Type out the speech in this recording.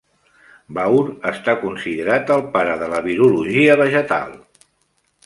Baur està considerat el pare de la virologia vegetal.